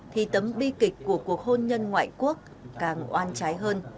thì tấm bi kịch của cuộc hôn nhân ngoại quốc càng oan trái hơn